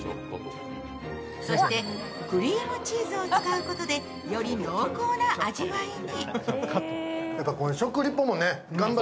そして、クリームチーズを使うことでより濃厚な味わいに。